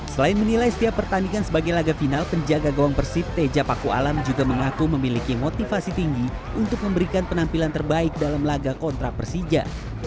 selain menilai setiap pertandingan sebagai laga final penjaga gawang persib teja paku alam juga mengaku memiliki motivasi tinggi untuk memberikan penampilan terbaik dalam laga kontra persija